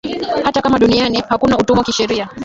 hata kama duniani hakuna utumwa kisheria